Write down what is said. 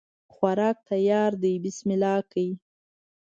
خوراک تیار ده بسم الله کړی